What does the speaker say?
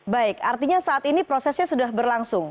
baik artinya saat ini prosesnya sudah berlangsung